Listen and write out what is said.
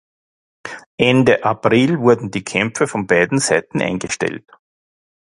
Ende April wurden die Kämpfe von beiden Seiten eingestellt.